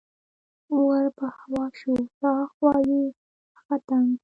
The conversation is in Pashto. ور په هوا شو، له ها خوا یې هغه تن.